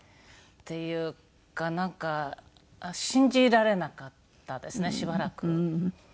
っていうかなんか信じられなかったですねしばらく。